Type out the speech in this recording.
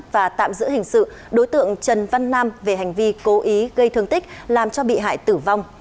và tạm giữ hình sự đối tượng trần văn nam về hành vi cố ý gây thương tích làm cho bị hại tử vong